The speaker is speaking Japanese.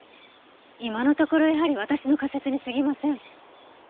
今のところやはり私の仮説に過ぎません。